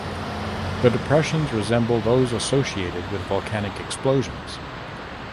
The depressions resemble those associated with volcanic explosions.